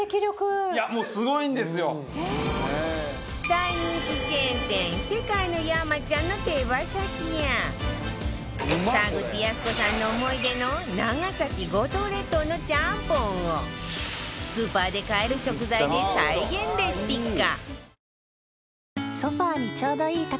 大人気チェーン店世界の山ちゃんの手羽先や沢口靖子さんの思い出の長崎五島列島のちゃんぽんをスーパーで買える食材で再現レシピ化